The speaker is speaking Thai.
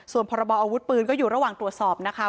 ส่วนพรบออาวุธปืนก็อยู่ระหว่างตรวจสอบนะคะ